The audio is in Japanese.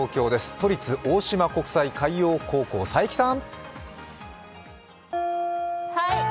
都立大島海洋国際高校、佐伯さん。